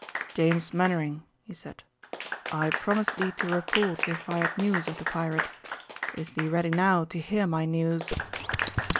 "James Mainwaring," he said, "I promised thee to report if I had news of the pirate. Is thee ready now to hear my news?"